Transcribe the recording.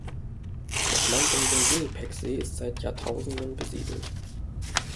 Das Land um den Winnipegsee ist seit Jahrtausenden besiedelt.